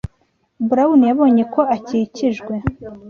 Brown yabonye ko akikijwe.